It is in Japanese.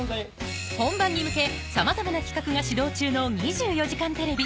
本番に向けさまざまな企画が始動中の『２４時間テレビ』